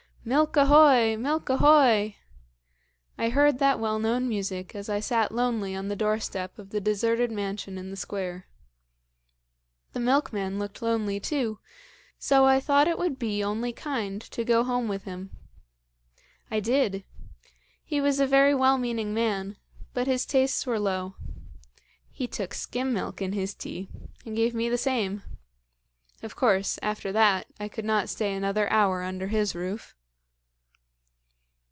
"'Milk ahoy! milk ahoy!' I heard that well known music as I sat lonely on the doorstep of the deserted mansion in the Square. The milkman looked lonely too; so I thought it would be only kind to go home with him. I did. He was a very well meaning man, but his tastes were low. He took skim milk in his tea, and gave me the same. Of course, after that, I could not stay another hour under his roof.